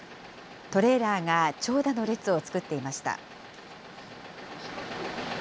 トレーラーが長蛇の列を作っていました。